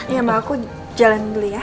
iya mbak aku jalanin dulu ya